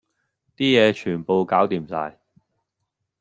啲嘢全部攪掂晒